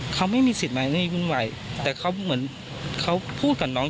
เขาไม่มีสิทธิ์มาไม่วุ่นวายแต่เขาเหมือนเขาพูดกับน้อง